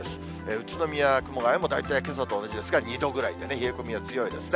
宇都宮、熊谷も大体けさと同じですが、２度ぐらいでね、冷え込みは強いですね。